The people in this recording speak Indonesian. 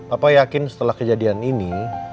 apa yakin setelah kejadian ini